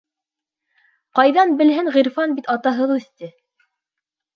Ҡайҙан белһен, Ғирфан бит атаһыҙ үҫте.